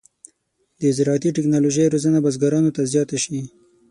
د زراعتي تکنالوژۍ روزنه بزګرانو ته زیاته شي.